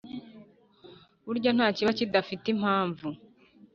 burya ntakiba kidafite impamvu